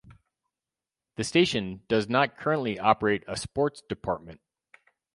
The station does not currently operate a sports department.